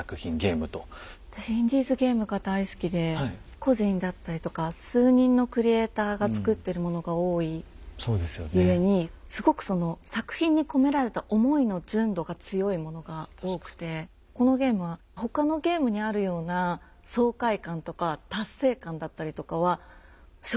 私インディーズゲームが大好きで個人だったりとか数人のクリエイターがつくってるものが多い故にすごくその作品に込められた思いの純度が強いものが多くてこのゲームは他のゲームにあるような爽快感とか達成感だったりとかは正直ないんですよね。